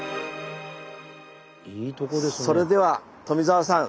それでは富澤さん